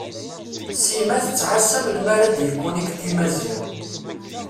Sima tettɛassa melmi ara d-yekunikti Maziɣ.